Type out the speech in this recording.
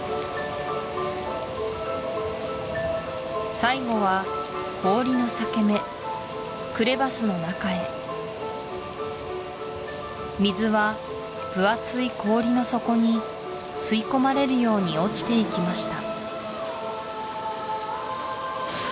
最後は氷の裂け目クレバスの中へ水は分厚い氷の底に吸い込まれるように落ちていきました